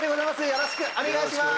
よろしくお願いします！